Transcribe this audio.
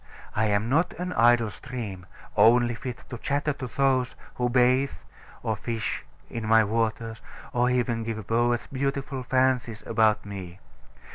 I am not an idle stream, only fit to chatter to those who bathe or fish in my waters, or even to give poets beautiful fancies about me.